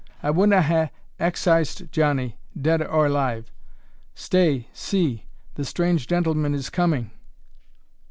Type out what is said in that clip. I wadna hae excised Johnnie, dead or alive. Stay, see the strange gentleman is coming."